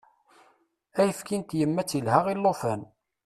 Ayefki n tyemmat ilha i llufan.